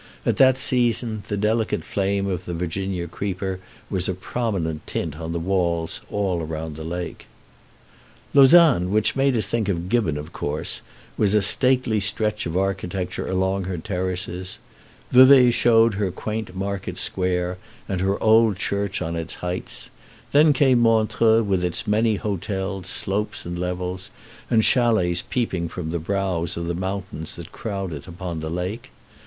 At that season the delicate flame of the Virginia creeper was a prominent tint on the walls all round the lake. Lausanne, which made us think Gibbon, of course, was a stately stretch of architecture along her terraces; Vevay showed us her quaint market square, and her old church on its heights; then came Montreux with its many hotelled slopes and levels, and chalets peeping from the brows of the mountains that crowd it upon the lake.